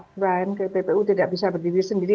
kepala pppu tidak bisa berdiri sendiri